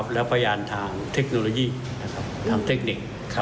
แล้วพยานทางเทคโนโลยีทางเทคนิค